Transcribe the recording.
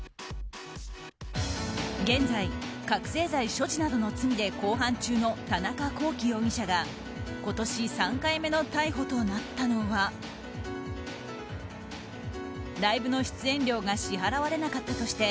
現在、覚醒剤所持などの罪で公判中の田中聖容疑者が今年３回目の逮捕となったのはライブの出演料が支払われなかったとして